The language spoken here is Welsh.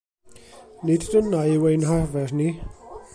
Nid dyna yw ein harfer ni.